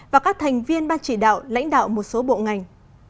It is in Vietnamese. và các thành viên ban chỉ đạo lãnh đạo một số bộ ngành